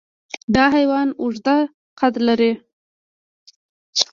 دا حیوان اوږده قد لري.